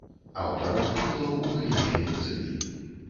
Аўтар артыкулаў у галіне медыцыны.